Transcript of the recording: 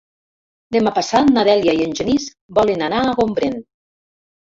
Demà passat na Dèlia i en Genís volen anar a Gombrèn.